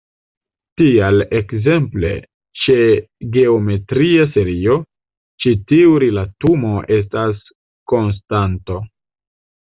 Tial, ekzemple, ĉe geometria serio, ĉi tiu rilatumo estas konstanto.